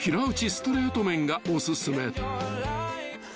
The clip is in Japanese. ストレート麺がお薦め］